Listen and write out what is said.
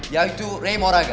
yaitu ray moraga